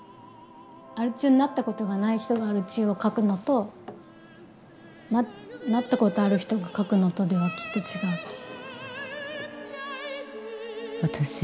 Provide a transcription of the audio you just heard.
アル中になったことがない人がアル中を描くのとなったことある人が描くのとではきっと違うし。